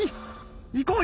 いこう！